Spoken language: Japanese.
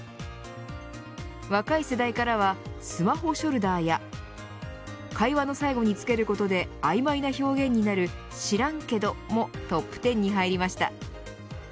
若い世代からはスマホショルダーや会話の最後につけることで曖昧な表現になる知らんけど、もトップ１０に入りました。